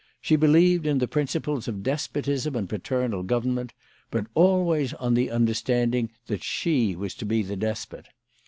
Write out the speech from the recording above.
She believed in the principles of despotism and paternal government, but always on the understanding that she was to be the despot.